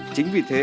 chính vì thế